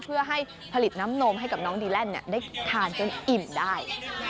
เพื่อให้ผลิตน้ำนมให้กับน้องดีแลนด์ได้ทานจนอิ่มได้